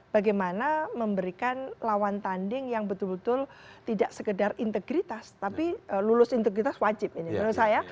bagaimana memberikan lawan tanding yang betul betul tidak sekedar integritas tapi lulus integritas wajib ini menurut saya